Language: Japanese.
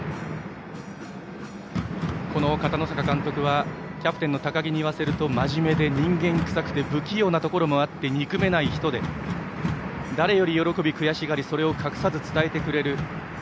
この片野坂監督はキャプテンの高木に言わせるとまじめで人間くさくて不器用なところもあって憎めない人で誰より喜び、悔しがりそれを隠さず伝えてくれる。